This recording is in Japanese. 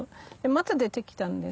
また出てきたんですよ。